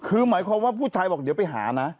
คือหมายความว่าผู้ชายบอกเดี๋ยวไปหานะ